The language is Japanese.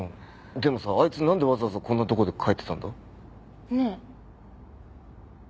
でもさあいつなんでわざわざこんなとこで描いてたんだ？ねえ。